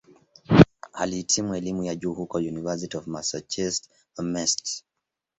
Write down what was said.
Alihitimu elimu ya juu huko "University of Massachusetts-Amherst".